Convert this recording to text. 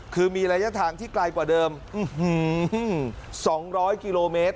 คือมีระยะทางที่ไกลกว่าเดิม๒๐๐กิโลเมตร